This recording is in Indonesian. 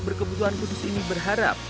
berkebutuhan khusus ini berharap